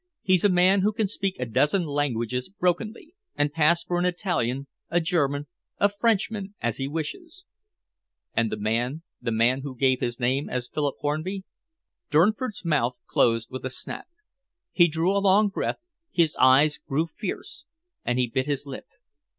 "He's a man who can speak a dozen languages brokenly, and pass for an Italian, a German, a Frenchman, as he wishes." "And the the man who gave his name as Philip Hornby?" Durnford's mouth closed with a snap. He drew a long breath, his eyes grew fierce, and he bit his lip.